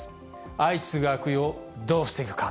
相次ぐ悪用、どう防ぐか。